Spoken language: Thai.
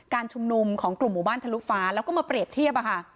ชุมนุมของกลุ่มหมู่บ้านทะลุฟ้าแล้วก็มาเปรียบเทียบ